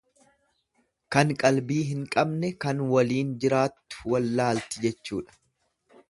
Kan qalbii hin qabne kan waliin jiraattu wallaalti jechuudha.